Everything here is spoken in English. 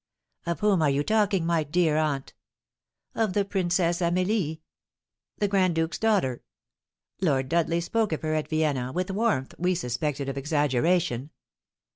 "Of whom are you talking, my dear aunt?" "Of the Princess Amelie." "The grand duke's daughter? Lord Dudley spoke of her at Vienna with warmth we suspected of exaggeration."